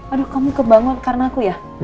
aduh kamu kebangun karena aku ya